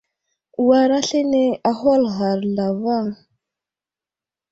War aslane ahwal ghar zlavaŋ.